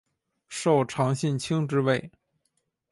受长信卿之位。